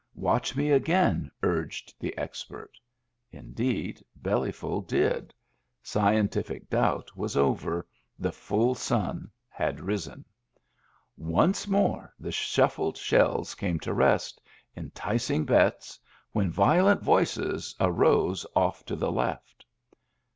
Watch me again," urged the expert. Indeed, Bellyful did. Scientific doubt was over ; the full sun had risen. Once more the shuffled shells came to rest, enticing bets, when violent voices arose oflF to the left.